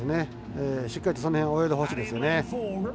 しっかりと、その辺は泳いでほしいですよね。